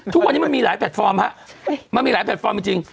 ทุกวันนี้มันมีหลายแพลตฟอร์มฮะมันมีหลายแพลตฟอร์มจริง